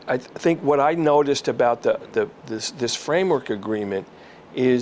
apa yang saya perhatikan dalam perjanjian framework ini adalah